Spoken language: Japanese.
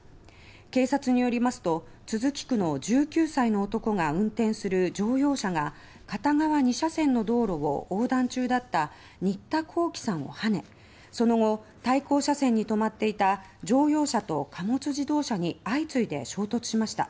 警察によりますと都筑区の１９歳の男が運転する乗用車が片側２車線の道路を横断中だった新田皓輝さんをはねその後、対向車線に止まっていた乗用車と貨物自動車に相次いで衝突しました。